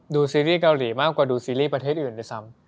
ซีรีส์เกาหลีมากกว่าดูซีรีส์ประเทศอื่นด้วยซ้ำ